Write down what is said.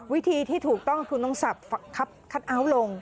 วิธีที่ถูกต้องคือต้องสับคัทเอาท์ลง